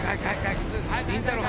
りんたろー。